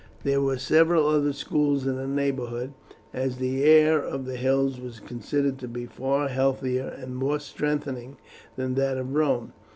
There were several other schools in the neighbourhood, as the air of the hills was considered to be far healthier and more strengthening than that of Rome.